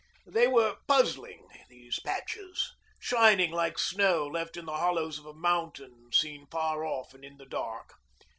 They were puzzling, these patches, shining like snow left in the hollows of a mountain seen far off and in the dusk.